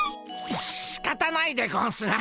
しかたないでゴンスな。